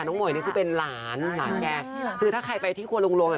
น้องเม๋ยนี่คือเป็นหลานหลานแก่คือถ้าใครไปที่ครัวโรงโรงอ่ะ